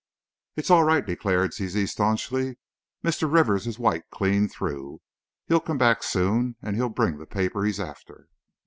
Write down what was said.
"It's all right," declared Zizi, stanchly; "Mr. Rivers is white clear through! He'll come back, soon, and he'll bring the paper he's after."